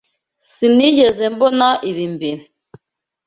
Sinigeze mbona ibi mbere.